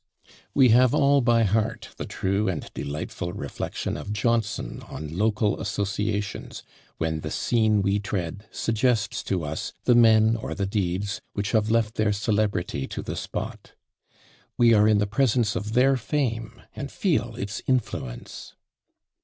We have all by heart the true and delightful reflection of Johnson on local associations, when the scene we tread suggests to us the men or the deeds, which have left their celebrity to the spot. We are in the presence of their fame, and feel its influence!